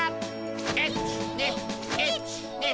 １２１２。